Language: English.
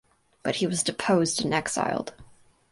But he was deposed and exiled.